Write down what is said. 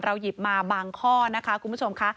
หยิบมาบางข้อนะคะคุณผู้ชมค่ะ